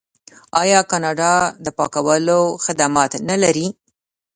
آیا کاناډا د پاکولو خدمات نلري؟